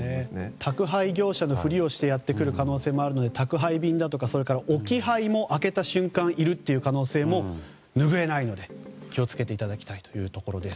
宅配業者のふりをしてやってくる可能性もあるので宅配便とか置き配も開けた瞬間にいるという可能性もぬぐえないので気を付けていただきたいところです。